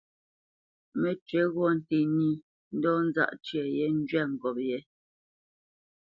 Mə́cywǐ ghɔ̂ nté nǐ ndɔ̌ nzáʼ tyə yé njwɛ̂p ngop yě.